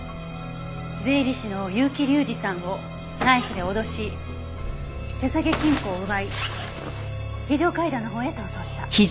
税理士の結城隆司さんをナイフで脅し手提げ金庫を奪い非常階段のほうへ逃走した。